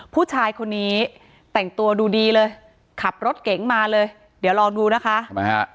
ผู้ชายคนนี้แต่งตัวดูดีเลยขับรถเก๋งมาเลยเดี๋ยวลองดูนะคะทำไมฮะ